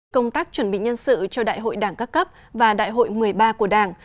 công tác chuẩn bị nhân sự cho đại hội đảng các cấp và đại hội một mươi ba của đảng